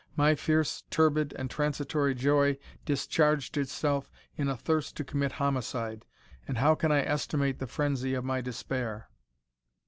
My fierce, turbid, and transitory joy discharged itself in a thirst to commit homicide, and how can I estimate the frenzy of my despair?"